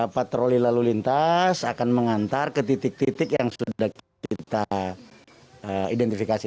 patroli lalu lintas akan mengantar ke titik titik yang sudah kita identifikasi